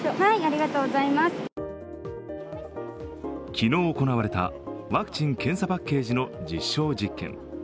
昨日行われたワクチン・検査パッケージの実証実験。